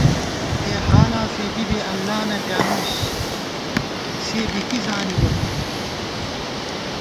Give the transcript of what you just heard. اِتےحالاں فېدِی بی اللہ نہ پیانُوس سےبی کی زانِبہ تو